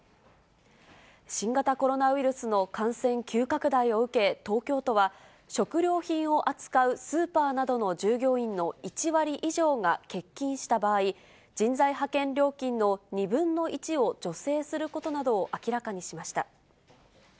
新型コロナウイルスの感染急拡大を受け、東京都は食料品を扱うスーパーなどの従業員の１割以上が欠勤した場合、人材派遣料金の２分の１を助成することなどを明らかにしました。